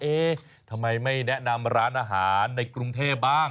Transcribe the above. เอ๊ะทำไมไม่แนะนำร้านอาหารในกรุงเทพบ้าง